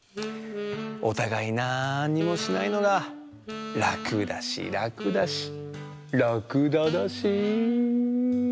おたがいなんにもしないのがらくだしらくだしらくだだし。